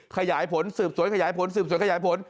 ขยายผลสืบสวนขยายผลสืบสวนขยายผล